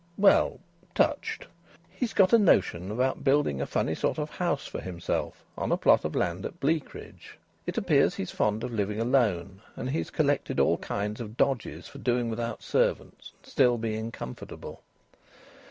"Well, touched. He's got a notion about building a funny sort of a house for himself on a plot of land at Bleakridge. It appears he's fond of living alone, and he's collected all kind of dodges for doing without servants and still being comfortable."